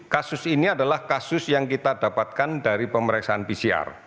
kasus ini adalah kasus yang kita dapatkan dari pemeriksaan pcr